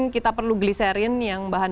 kita perlu gliserin yang bahan